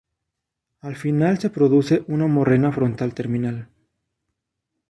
Al final se produce una morrena frontal terminal.